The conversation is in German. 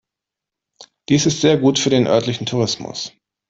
Dies ist sehr gut für den örtlichen Tourismus.